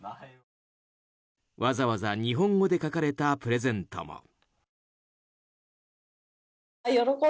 わざわざ日本語で書かれたプレゼントも。